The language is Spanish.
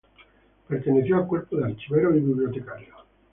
Perteneció al Cuerpo de Archiveros y Bibliotecarios.